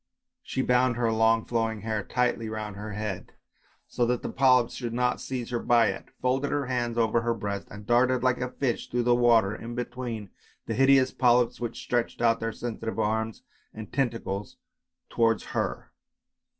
She bound her long flowing hair tightly round her head, so that the polyps should not seize her by it, folded her hands over her breast, and darted like a fish through the water, in between the hideous polyps which stretched out their sensitive arms and tentacles towards her.